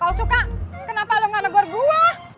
kalau suka kenapa lo nggak negur gue